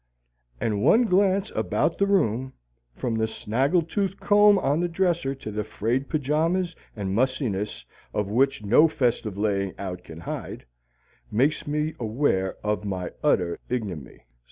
And one glance about the room from the snaggle tooth comb on the dresser to the frayed pajamas the mussiness of which no festive laying out can hide makes me aware of my utter ignominy.